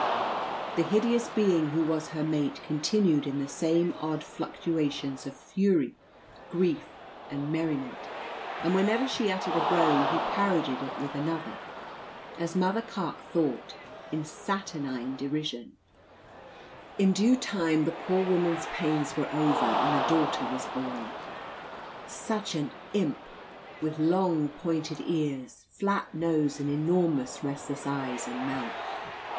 The hideous being who was her mate continued in the same odd fluctuations of fury, grief, and merriment; and whenever she uttered a groan, he parodied it with another, as Mother Carke thought, in saturnine derision. At length he strode into another room, and banged the door after him. In due time the poor woman's pains were over, and a daughter was born. Such an imp! with long pointed ears, flat nose, and enormous restless eyes and mouth.